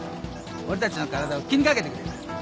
俺たちの体を気に掛けてくれる。